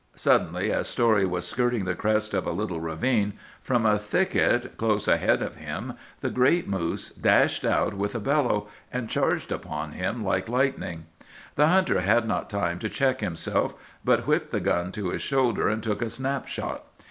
Suddenly, as Story was skirting the crest of a little ravine, from a thicket close ahead of him the great moose dashed out with a bellow, and charged upon him like lightning. "The hunter had not time to check himself, but whipped the gun to his shoulder and took a snap shot.